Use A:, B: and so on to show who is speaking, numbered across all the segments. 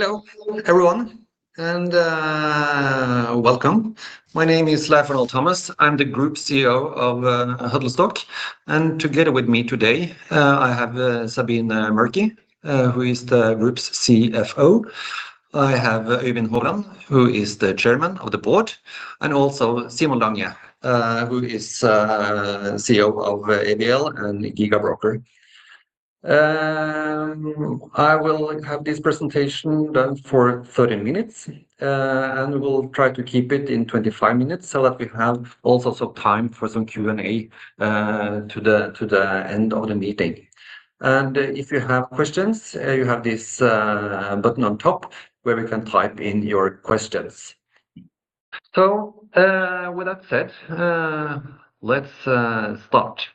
A: Hello everyone, and welcome. My name is Leif Arnold Thomas. I'm the Group CEO of Huddlestock, and together with me today, I have Sabine Merky, who is the Group CFO. I have Øyvind Hovland, who is the Chairman of the Board, and also Simon Lange, who is CEO of ABL and GIGA Broker. I will have this presentation done for 30 minutes, we'll try to keep it in 25 minutes so that we have also some time for some Q&A to the end of the meeting. If you have questions, you have this button on top where we can type in your questions. With that said, let's start.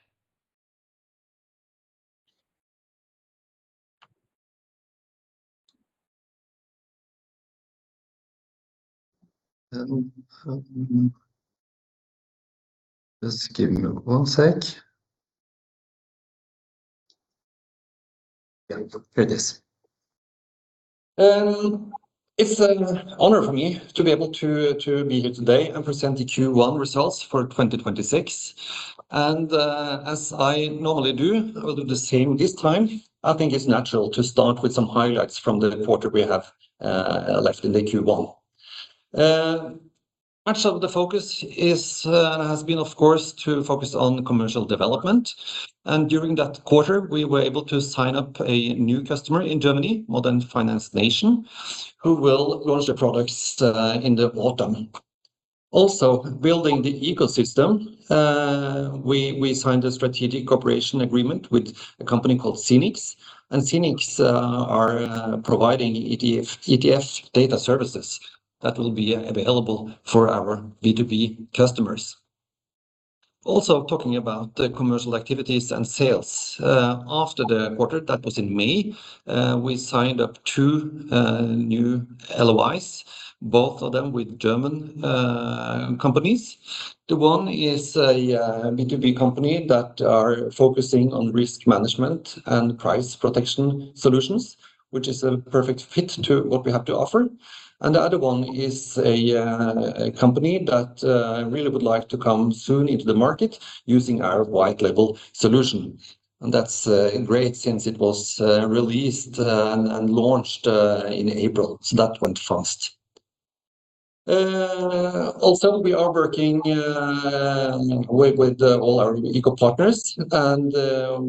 A: Just give me one sec. Yeah, here it is. It's an honor for me to be able to be here today and present the Q1 results for 2026. As I normally do, I will do the same this time. I think it's natural to start with some highlights from the quarter we have left in the Q1. Much of the focus has been, of course, to focus on commercial development. During that quarter, we were able to sign up a new customer in Germany, Modern Finance Nation, who will launch the products in the autumn. Building the ecosystem, we signed a strategic cooperation agreement with a company called XENIX. XENIX are providing ETF data services that will be available for our B2B customers. Talking about the commercial activities and sales. After the quarter, that was in May, we signed up two new LOIs, both of them with German companies. The one is a B2B company that are focusing on risk management and price protection solutions, which is a perfect fit to what we have to offer. The other one is a company that really would like to come soon into the market using our white-label solution. That's great since it was released and launched in April, so that went fast. We are working with all our eco partners, and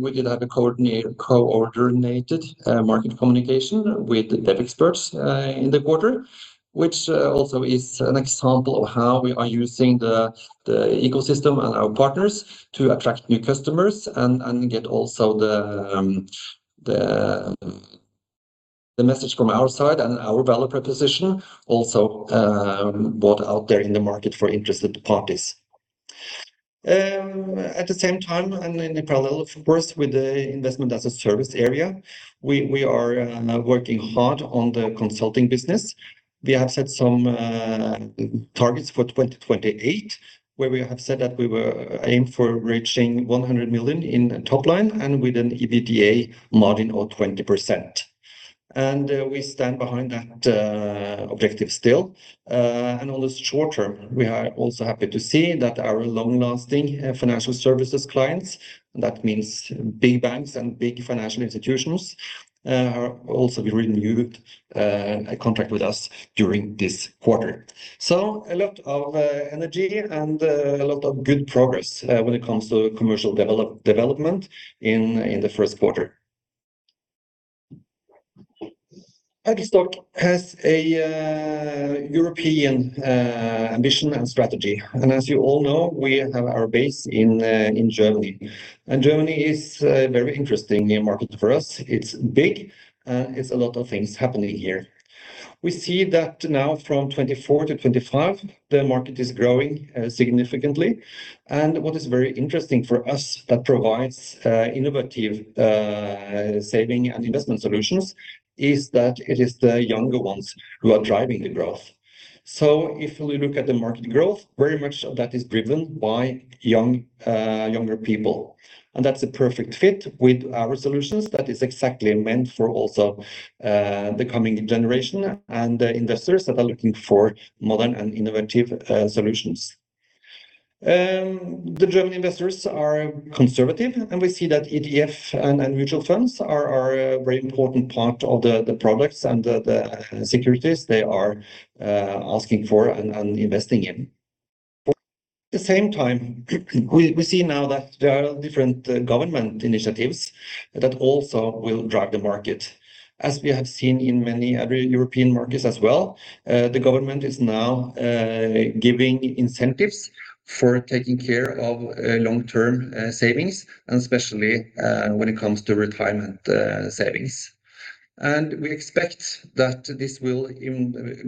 A: we did have a coordinated market communication with Devexperts in the quarter, which also is an example of how we are using the ecosystem and our partners to attract new customers and get also the message from our side and our value proposition also brought out there in the market for interested parties. At the same time, and in parallel, of course, with the Investment-as-a-Service area, we are now working hard on the consulting business. We have set some targets for 2028, where we have said that we were aimed for reaching 100 million in top line and with an EBITDA margin of 20%. We stand behind that objective still. On the short term, we are also happy to see that our long-lasting financial services clients, that means big banks and big financial institutions, have also renewed a contract with us during this quarter. A lot of energy and a lot of good progress when it comes to commercial development in the first quarter. Huddlestock has a European ambition and strategy, and as you all know, we have our base in Germany. Germany is a very interesting market for us. It's big. It's a lot of things happening here. We see that now from 2024 to 2025, the market is growing significantly. What is very interesting for us that provides innovative saving and investment solutions is that it is the younger ones who are driving the growth. If we look at the market growth, very much of that is driven by younger people. That's a perfect fit with our solutions. That is exactly meant for also the coming generation and the investors that are looking for modern and innovative solutions. The German investors are conservative, and we see that ETF and mutual funds are a very important part of the products and the securities they are asking for and investing in. At the same time, we see now that there are different government initiatives that also will drive the market. As we have seen in many other European markets as well, the government is now giving incentives for taking care of long-term savings, and especially when it comes to retirement savings. We expect that this will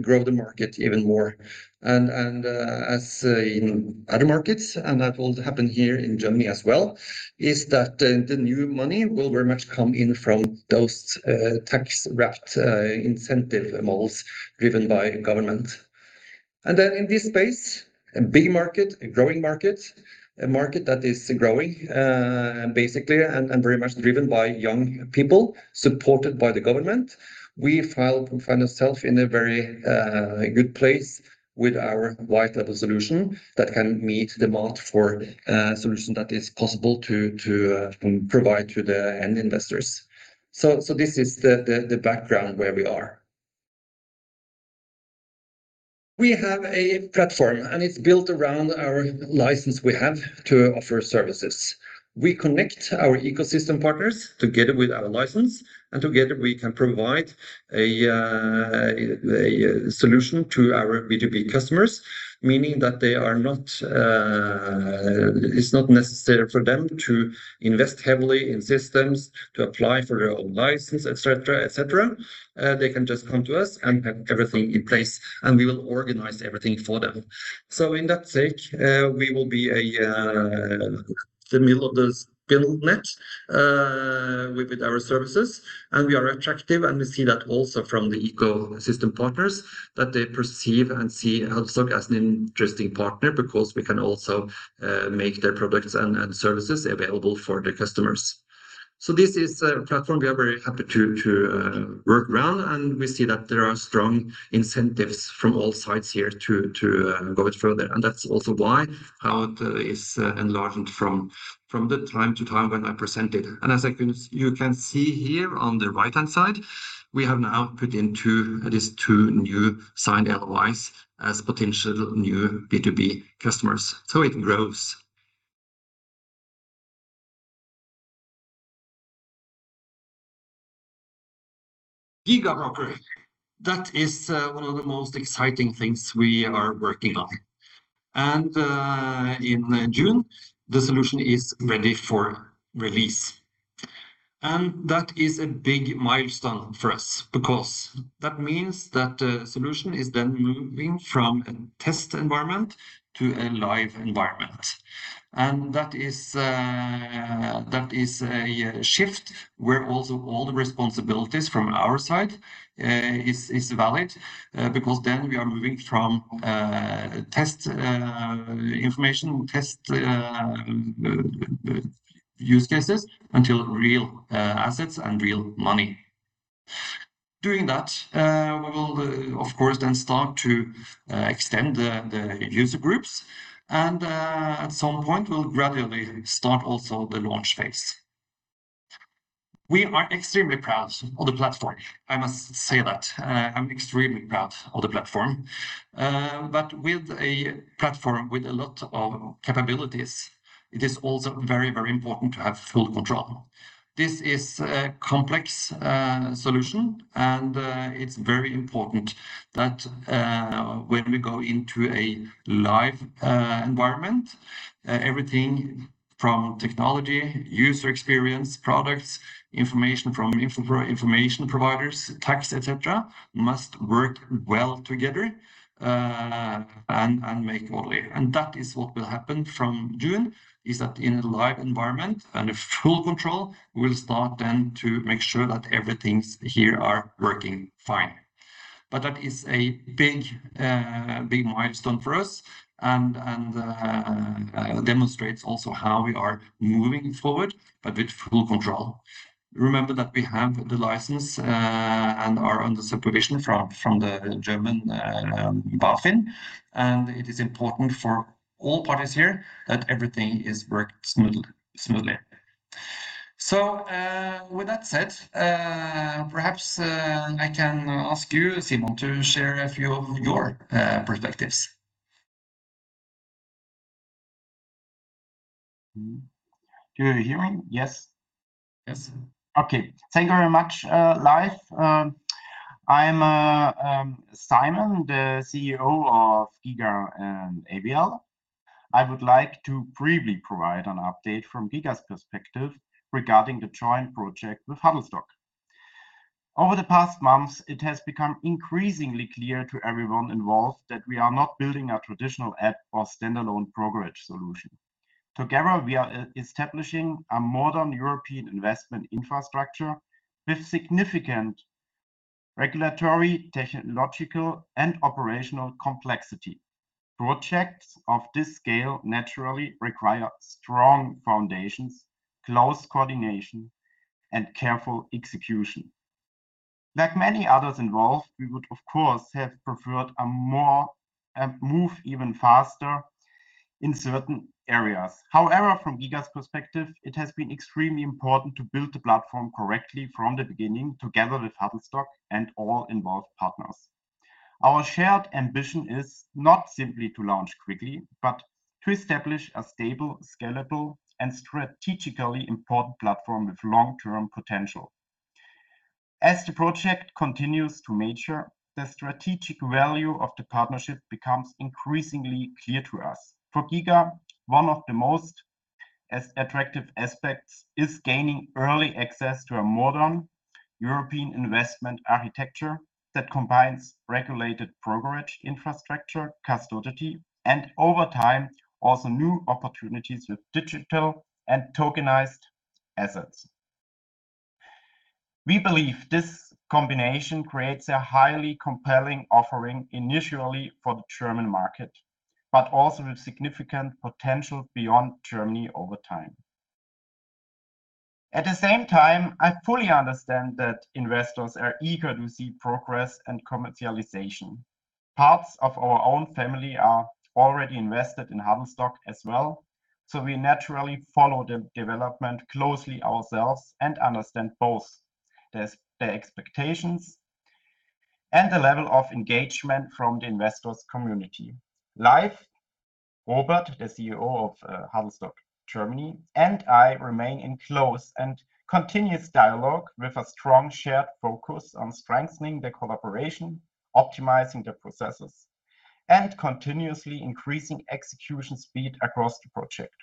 A: grow the market even more. As in other markets, and that will happen here in Germany as well, is that the new money will very much come in from those tax-wrapped incentive models driven by government. Then in this space, a big market, a growing market, a market that is growing, basically, and very much driven by young people, supported by the government. We find ourself in a very good place with our white-label solution that can meet the demand for a solution that is possible to provide to the end investors. This is the background where we are. We have a platform, and it's built around our license we have to offer services. We connect our ecosystem partners together with our license, and together we can provide a solution to our B2B customers, meaning that it's not necessary for them to invest heavily in systems to apply for their own license, et cetera. They can just come to us and have everything in place, and we will organize everything for them. In that sake, we will be in the middle of those [inaudible] with our services, and we are attractive, and we see that also from the ecosystem partners, that they perceive and see Huddlestock as an interesting partner because we can also make their products and services available for their customers. This is a platform we are very happy to work around. We see that there are strong incentives from all sides here to go it further. That's also why how it is enlarged from the time to time when I present it. As you can see here on the right-hand side, we have now put in at least two new signed LOIs as potential new B2B customers. It grows. GIGA Broker, that is one of the most exciting things we are working on. In June, the solution is ready for release. That is a big milestone for us because that means that the solution is then moving from a test environment to a live environment. That is a shift where also all the responsibilities from our side is valid, because then we are moving from test information, test use cases, until real assets and real money. Doing that, we will of course then start to extend the user groups and, at some point, we'll gradually start also the launch phase. We are extremely proud of the platform, I must say that. I'm extremely proud of the platform. With a platform with a lot of capabilities, it is also very important to have full control. This is a complex solution, and it's very important that when we go into a live environment, everything from technology, user experience, products, information from information providers, tax, et cetera, must work well together and make money. That is what will happen from June, is that in a live environment and with full control, we'll start then to make sure that everything here are working fine. That is a big milestone for us and demonstrates also how we are moving forward, but with full control. Remember that we have the license and are under supervision from the German BaFin, and it is important for all parties here that everything is worked smoothly. With that said, perhaps I can ask you, Simon, to share a few of your perspectives.
B: Do you hear me? Yes?
A: Yes.
B: Okay. Thank you very much, Leif. I'm Simon, the CEO of GIGA Broker and ABL. I would like to briefly provide an update from GIGA Broker's perspective regarding the joint project with Huddlestock. Over the past months, it has become increasingly clear to everyone involved that we are not building a traditional app or standalone brokerage solution. Together, we are establishing a modern European investment infrastructure with significant regulatory, technological, and operational complexity. Projects of this scale naturally require strong foundations, close coordination, and careful execution. Like many others involved, we would of course have preferred a move even faster in certain areas. However, from GIGA Broker's perspective, it has been extremely important to build the platform correctly from the beginning together with Huddlestock and all involved partners. Our shared ambition is not simply to launch quickly, but to establish a stable, scalable, and strategically important platform with long-term potential. As the project continues to mature, the strategic value of the partnership becomes increasingly clear to us. For GIGA Broker, one of the most attractive aspects is gaining early access to a modern European investment architecture that combines regulated brokerage infrastructure, custody, and over time, also new opportunities with digital and tokenized assets. We believe this combination creates a highly compelling offering initially for the German market, but also with significant potential beyond Germany over time. At the same time, I fully understand that investors are eager to see progress and commercialization. Parts of our own family are already invested in Huddlestock as well, so we naturally follow the development closely ourselves and understand both the expectations and the level of engagement from the investors community. Robert Fuchsgruber, the CEO of Huddlestock Germany, and I remain in close and continuous dialogue with a strong shared focus on strengthening the collaboration, optimizing the processes, and continuously increasing execution speed across the project.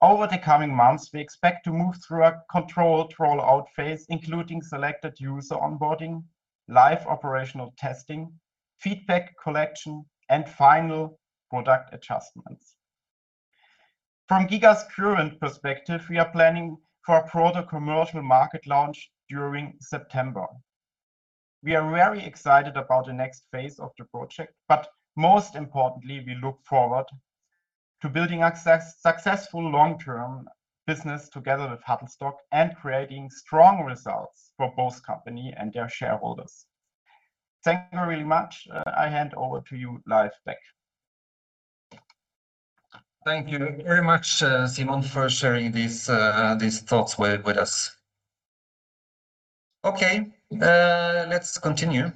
B: Over the coming months, we expect to move through a controlled rollout phase, including selected user onboarding, live operational testing, feedback collection, and final product adjustments. From GIGA Broker's current perspective, we are planning for a proto-commercial market launch during September. We are very excited about the next phase of the project, but most importantly, we look forward to building successful long-term business together with Huddlestock and creating strong results for both companies and their shareholders. Thank you very much. I hand over to you, Leif, back.
A: Thank you very much, Simon, for sharing these thoughts with us. Okay, let's continue.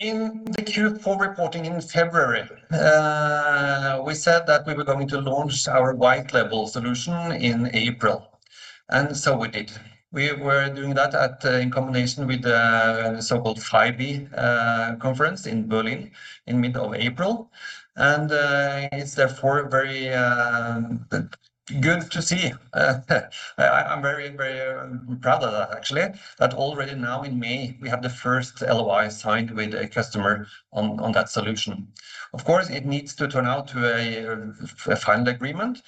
A: In the Q4 reporting in February, we said that we were going to launch our white-label solution in April, and so we did. We were doing that in combination with the so-called FIBE conference in Berlin in mid of April. It's therefore very good to see. I'm very proud of that actually, that already now in May, we have the first LOI signed with a customer on that solution. Of course, it needs to turn out to a final agreement,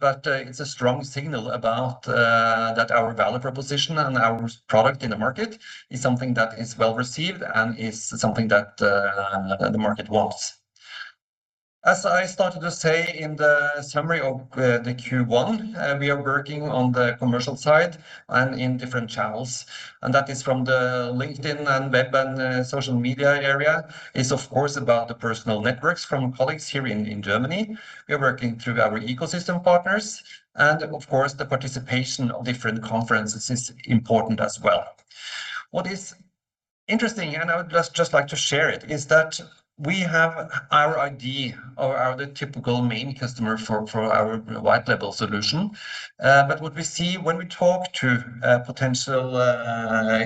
A: but it's a strong signal that our value proposition and our product in the market is something that is well-received and is something that the market wants. As I started to say in the summary of the Q1, we are working on the commercial side and in different channels, and that is from the LinkedIn and web and social media area. It's of course about the personal networks from colleagues here in Germany. We are working through our ecosystem partners, and of course, the participation of different conferences is important as well. What is interesting, and I would just like to share it, is that we have our idea of the typical main customer for our white-label solution. What we see when we talk to potential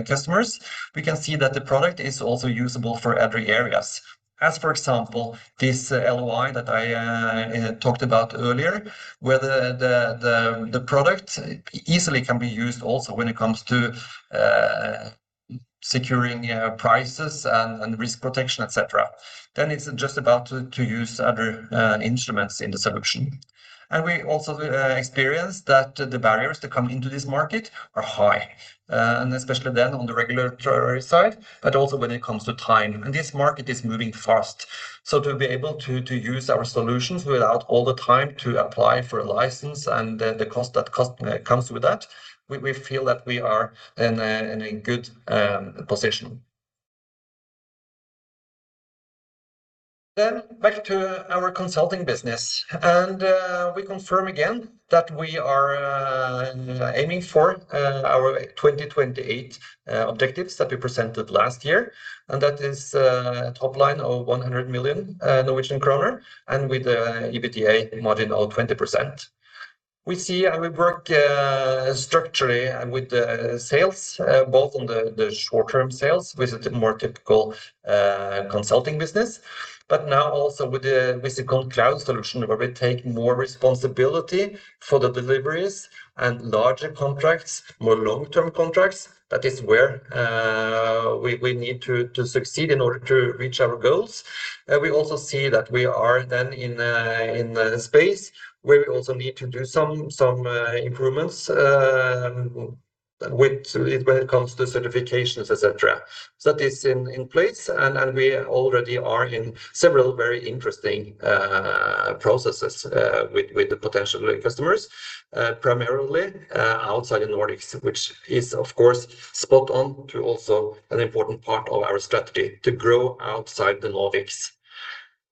A: customers, we can see that the product is also usable for other areas. As for example, this LOI that I talked about earlier, where the product easily can be used also when it comes to securing prices and risk protection, et cetera. It's just about to use other instruments in the solution. We also experienced that the barriers to come into this market are high, and especially then on the regulatory side, but also when it comes to time. This market is moving fast, so to be able to use our solutions without all the time to apply for a license and the cost that comes with that, we feel that we are in a good position. Back to our consulting business. We confirm again that we are aiming for our 2028 objectives that we presented last year, and that is a top line of 100 million Norwegian kroner and with a EBITDA margin of 20%. We see and we work structurally with the sales, both on the short-term sales with the more typical consulting business, but now also with the Visigon cloud solution, where we take more responsibility for the deliveries and larger contracts, more long-term contracts. That is where we need to succeed in order to reach our goals. We also see that we are then in a space where we also need to do some improvements when it comes to certifications, et cetera. That is in place, and we already are in several very interesting processes with the potential customers, primarily outside the Nordics, which is of course spot on to also an important part of our strategy, to grow outside the Nordics.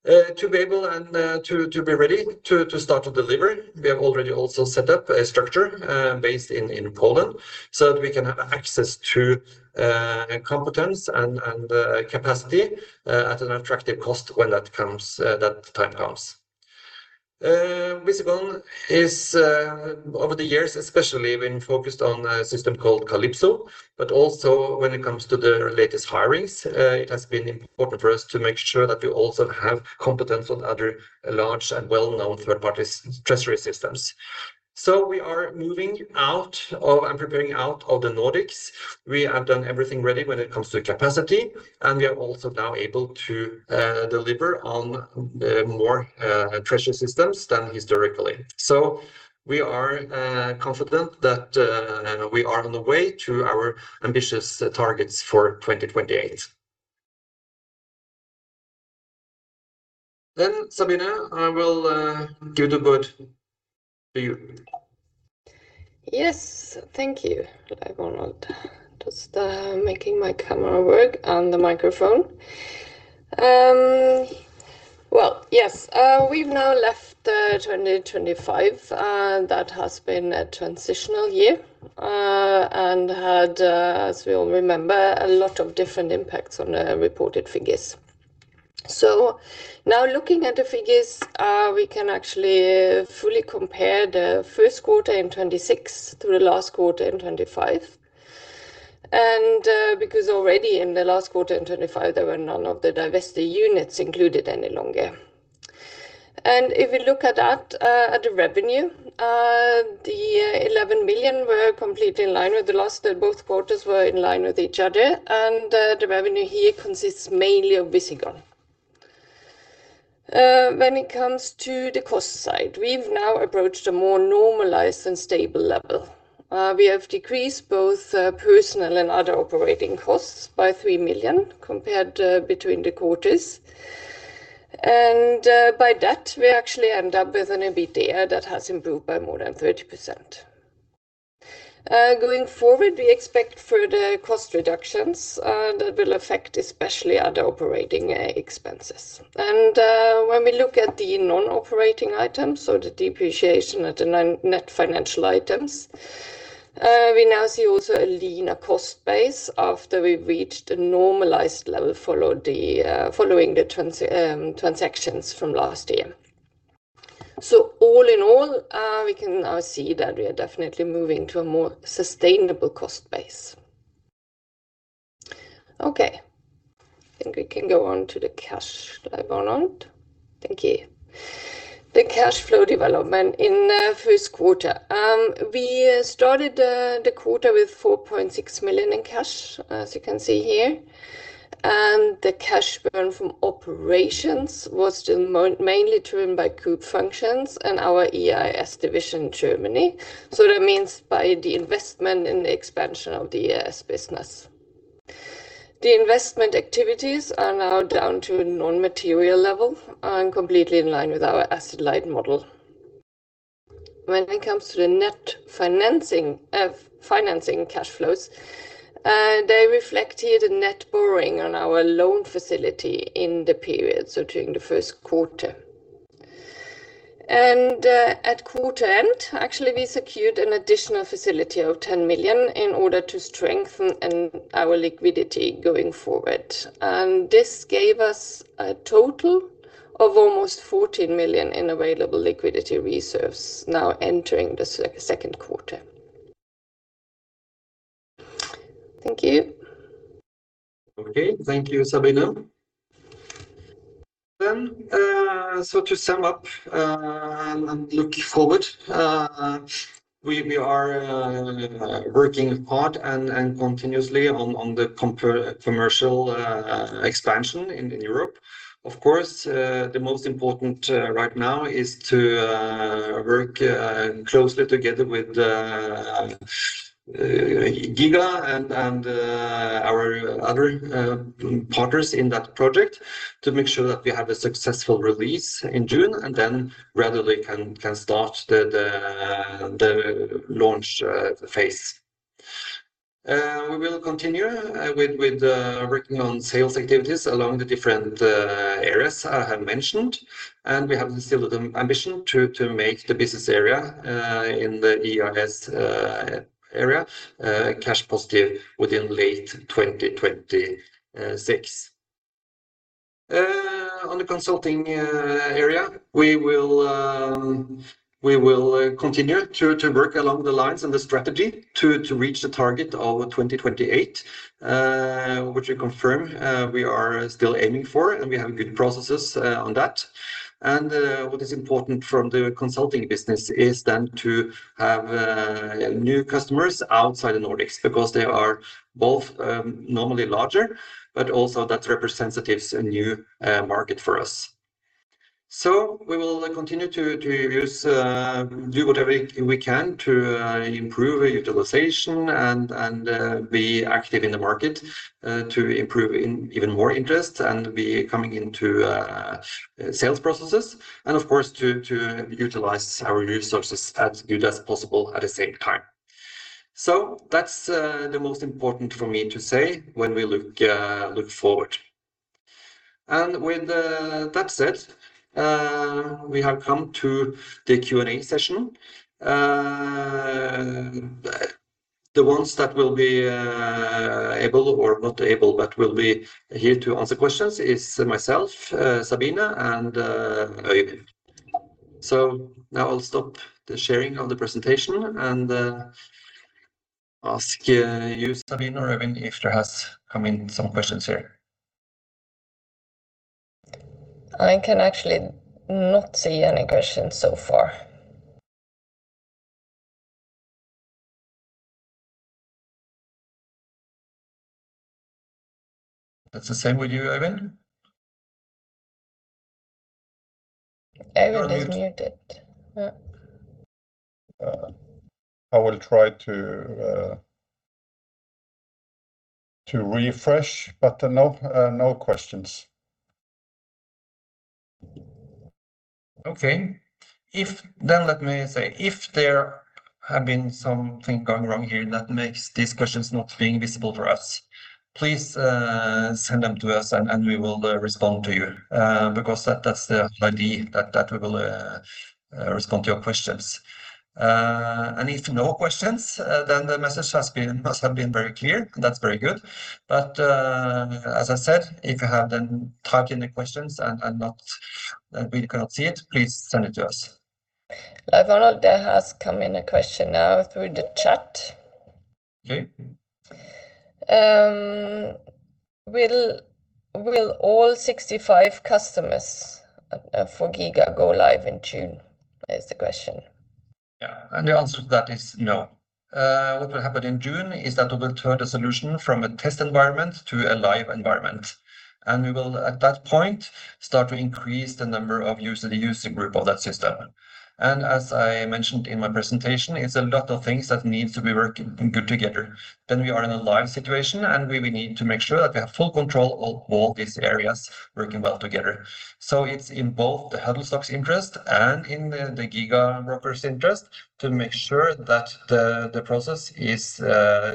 A: To be able and to be ready to start to deliver, we have already also set up a structure based in Poland, so that we can have access to competence and capacity at an attractive cost when that time comes. Visigon is, over the years especially, been focused on a system called Calypso, but also when it comes to the latest hirings, it has been important for us to make sure that we also have competence on other large and well-known third-party treasury systems. We are moving out of and preparing out of the Nordics. We have done everything ready when it comes to capacity, and we are also now able to deliver on more treasury systems than historically. We are confident that we are on the way to our ambitious targets for 2028. Then Sabine, I will give the bat to you.
C: Yes. Thank you. [inaudible] Just making my camera work and the microphone. Well, yes. We've now left 2025. That has been a transitional year, and had, as we all remember, a lot of different impacts on the reported figures. Now looking at the figures, we can actually fully compare the first quarter in 2026 through the last quarter in 2025. Because already in the last quarter in 2025, there were none of the divested units included any longer. If we look at that, at the revenue, the 11 million were completely in line with the last. Both quarters were in line with each other, and the revenue here consists mainly of Visigon. When it comes to the cost side, we've now approached a more normalized and stable level. We have decreased both personal and other operating costs by 3 million compared between the quarters. By that we actually end up with an EBITDA that has improved by more than 30%. Going forward, we expect further cost reductions that will affect especially other operating expenses. When we look at the non-operating items, the depreciation and the net financial items, we now see also a leaner cost base after we've reached a normalized level following the transactions from last year. We can now see that we are definitely moving to a more sustainable cost base. Okay. I think we can go on to the cash. [inaudible] Thank you. The cash flow development in first quarter. We started the quarter with 4.6 million in cash, as you can see here, and the cash burn from operations was still mainly driven by group functions and our EIS division, Germany. That means by the investment in the expansion of the EIS business. The investment activities are now down to a non-material level and completely in line with our asset-light model. When it comes to the net financing cash flows, they reflect here the net borrowing on our loan facility in the period, so during the first quarter. At quarter end, actually, we secured an additional facility of 10 million in order to strengthen our liquidity going forward. This gave us a total of almost 14 million in available liquidity reserves now entering the second quarter. Thank you.
A: Okay. Thank you, Sabine. To sum up and look forward, we are working hard and continuously on the commercial expansion in Europe. Of course, the most important right now is to work closely together with GIGA Broker and our other partners in that project to make sure that we have a successful release in June, readily can start the launch phase. We will continue with working on sales activities along the different areas I have mentioned, we have still the ambition to make the business area in the EIS area cash positive within late 2026. On the consulting area, we will continue to work along the lines and the strategy to reach the target of 2028, which we confirm we are still aiming for, we have good processes on that. What is important from the consulting business is then to have new customers outside the Nordics, because they are both normally larger, but also that represents a new market for us. We will continue to do whatever we can to improve utilization and be active in the market to improve even more interest and be coming into sales processes, and of course, to utilize our resources as good as possible at the same time. That's the most important for me to say when we look forward. With that said, we have come to the Q&A session. The ones that will be able, or not able, but will be here to answer questions is myself, Sabine, and Øyvind. Now I'll stop the sharing of the presentation and ask you, Sabine or Øyvind, if there has come in some questions here.
C: I can actually not see any questions so far.
A: That's the same with you, Øyvind?
C: Øyvind is muted.
A: I will try to refresh, but no questions. Okay. Let me say, if there have been something going wrong here that makes these questions not being visible for us, please send them to us and we will respond to you, because that's the idea, that we will respond to your questions. If no questions, then the message must have been very clear. That's very good. As I said, if you have then typed in the questions and we cannot see it, please send it to us.
C: Leif Arnold, there has come in a question now through the chat.
A: Okay.
C: Will all 65,000 customers for GIGA Broker go live in June? Is the question.
A: Yeah. The answer to that is no. What will happen in June is that we will turn the solution from a test environment to a live environment, and we will, at that point, start to increase the number of user group of that system. As I mentioned in my presentation, it's a lot of things that needs to be working good together. Then we are in a live situation, and we will need to make sure that we have full control of all these areas working well together. It's in both the Huddlestock's interest and in the GIGA Broker's interest to make sure that the process is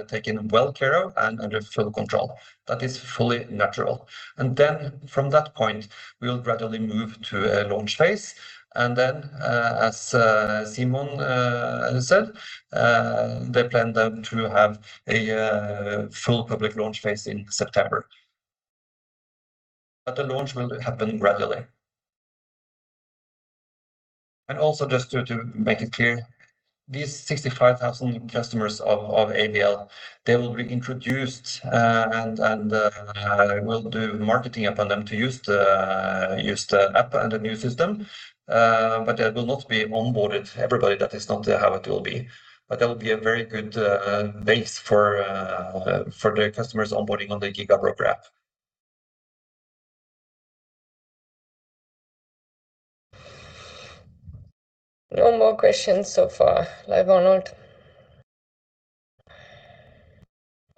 A: taken well care of and under full control. That is fully natural. From that point, we will gradually move to a launch phase. Then, as Simon said, they plan then to have a full public launch phase in September. The launch will happen gradually. Also just to make it clear, these 65,000 customers of ABL, they will be introduced, and we'll do marketing upon them to use the app and the new system. They will not be onboarded, everybody. That is not how it will be. That will be a very good base for the customers onboarding on the GIGA Broker app.
C: No more questions so far, Leif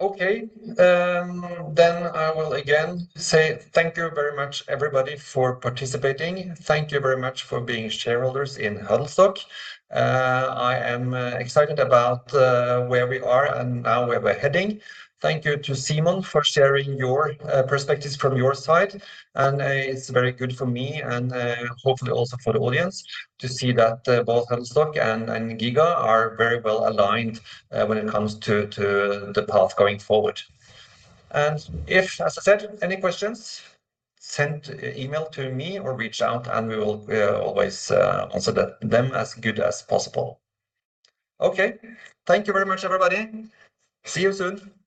C: Arnold.
A: I will again say thank you very much, everybody, for participating. Thank you very much for being shareholders in Huddlestock. I am excited about where we are and now where we're heading. Thank you to Simon for sharing your perspectives from your side. It's very good for me, and hopefully also for the audience, to see that both Huddlestock and GIGA Broker are very well aligned when it comes to the path going forward. If, as I said, any questions, send email to me or reach out and we will always answer them as good as possible. Thank you very much, everybody. See you soon. Bye.